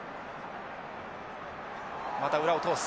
また裏を通す。